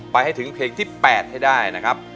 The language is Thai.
ให้ถึงเพลงที่๘ให้ได้นะครับ